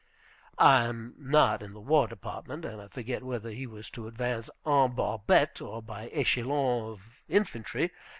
I am not in the War Department, and I forget whether he was to advance en barbette or by échelon of infantry.